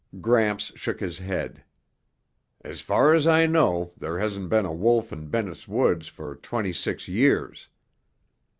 Gramps shook his head. "As far as I know, there hasn't been a wolf in Bennett's Woods for twenty six years.